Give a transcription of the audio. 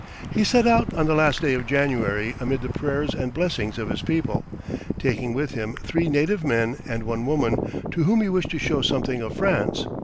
He set out on the last day of January amid the prayers and blessings of his people, taking with him three native men and one woman, to whom he wished to show something of France.